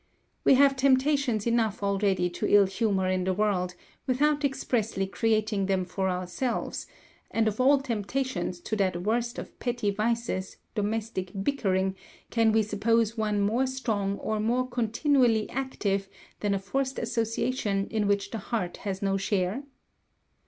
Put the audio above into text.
We have temptations enough already to ill humour in the world, without expressly creating them for ourselves; and of all temptations to that worst of petty vices, domestic bickering, can we suppose one more strong or more continually active than a forced association in which the heart has no share?